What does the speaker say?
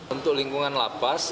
untuk lingkungan lapas